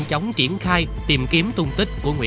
không chỉ một mình lữ văn quý